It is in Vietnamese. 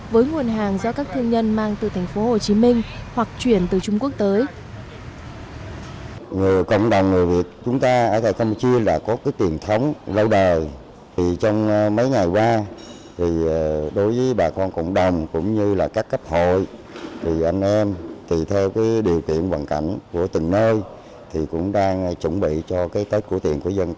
với nguồn hàng do các thương nhân mang từ thành phố hồ chí minh hoặc chuyển từ trung quốc tới